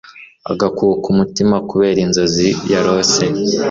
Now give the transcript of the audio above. agakuka umutima kubera inzozi yarose